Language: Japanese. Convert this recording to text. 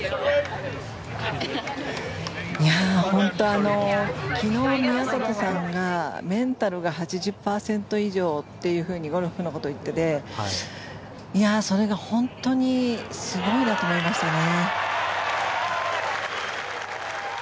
本当に昨日、宮里さんがメンタルが８０％以上ってゴルフのことを言っていてそれが本当にすごいなと思いましたね。